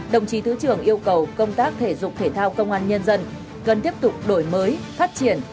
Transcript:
đồng chí thứ trưởng yêu cầu công tác thể dục thể thao công an nhân dân cần tiếp tục đổi mới phát triển